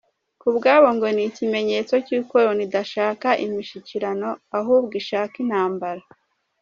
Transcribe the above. Ku bwabo, ngo ni ikimenyetso cy’uko Loni idashaka imishikirano ahubwo ishaka intambara.